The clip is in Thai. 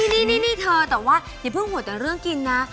นี่เธอแต่ว่าอย่าเพิ่งห่วงแต่เรื่องกินนะ